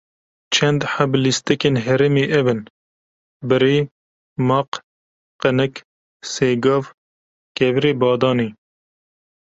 çend heb lîstikên herêmê ev in: Birê, maq, qinik, sêgav, kevirê badanê